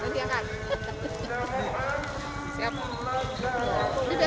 bagus bu nanti akan